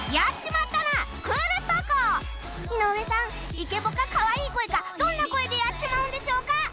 イケボかかわいい声かどんな声でやっちまうんでしょうか？